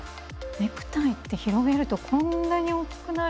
ネクタイって広げるとこんなに大きくなるんですね。